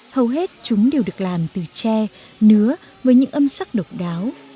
hầu hết chúng đều được làm từ tre nứa với những âm sắc độc đáo